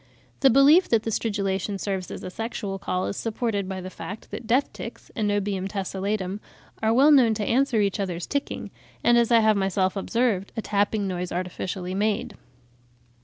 The belief that the stridulation serves as a sexual call is supported by the fact that death ticks (Anobium tessellatum) are well known to answer each other's ticking, and, as I have myself observed, a tapping noise artificially made.